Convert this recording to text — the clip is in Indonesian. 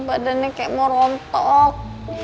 badannya kayak mau rontok